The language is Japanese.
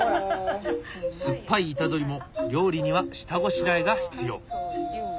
酸っぱいイタドリも料理には下ごしらえが必要。